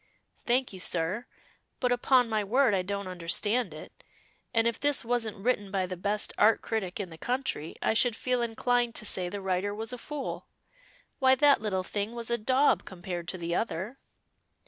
"Thank you, sir. But upon my word I don't understand it, and if this wasn't written by the best Art critic in the country I should feel inclined to say the writer was a fool. Why that little thing was a daub compared to the other."